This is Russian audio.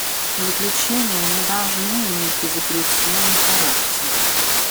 Заключения не должны иметь безапелляционный характер.